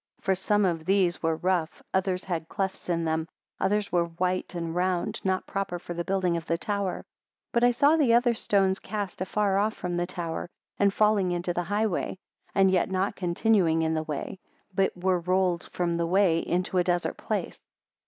30 For some of these were rough, others had clefts in them, others were white and round, not proper for the building of the tower. 31 But I saw the other stones cast afar off from the tower, and falling into the high way, and yet not continuing in the way, but were rolled from the way into a desert place.